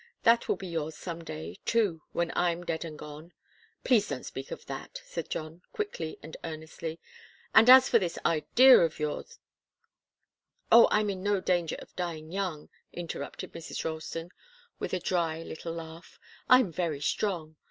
That will be yours some day, too, when I'm dead and gone." "Please don't speak of that," said John, quickly and earnestly. "And as for this idea of your " "Oh, I'm in no danger of dying young," interrupted Mrs. Ralston, with a little dry laugh. "I'm very strong.